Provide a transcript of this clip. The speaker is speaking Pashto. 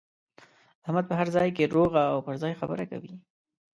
احمد په هر ځای کې روغه او پر ځای خبره کوي.